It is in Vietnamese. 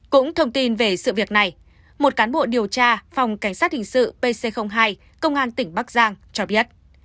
cũng thông tin về sự việc này một cán bộ điều tra phòng cảnh sát hình sự pc hai công an tỉnh bắc giang cho biết